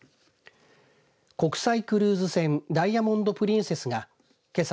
国際クルーズ船ダイヤモンド・プリンセスがけさ